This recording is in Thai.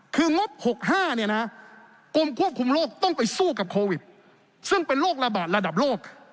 คืองบ๖๕เนี่ยนะกรมควบคุมโรคต้องไปสู้กับโควิดซึ่งเป็นโรคระบาดระดับโลก